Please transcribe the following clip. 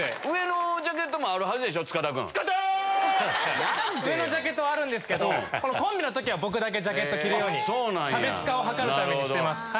上のジャケットはあるんですけどコンビの時は僕だけジャケット着るように差別化を図るためにしてます。